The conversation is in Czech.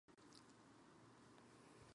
Později ho ale porazil Bender.